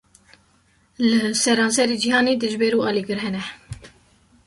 Li seranserê cîhanê, dijber û alîgir hene